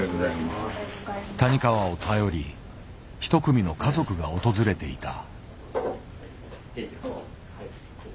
谷川を頼り一組の家族が訪れていた。